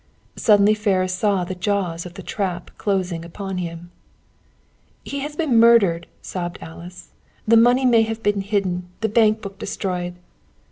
Suddenly Ferris saw the jaws of the trap closing upon him. "He has been murdered!" sobbed Alice. "The money may have been hidden, the bank book destroyed."